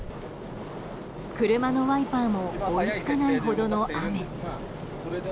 車のワイパーも追いつかないほどの雨。